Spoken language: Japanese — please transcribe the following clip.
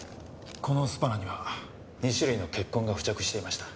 このスパナには２種類の血痕が付着していました。